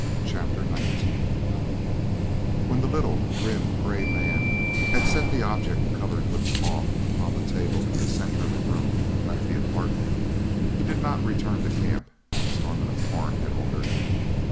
CHAPTER XIX When the little, grim, gray man had set the object covered with a cloth upon the table in the center of the room and left the apartment, he did not return to camp as Norman of Torn had ordered.